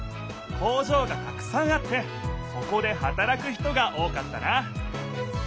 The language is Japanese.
工場がたくさんあってそこではたらく人が多かったな。